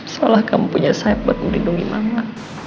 seolah kamu punya sayap buat melindungi mama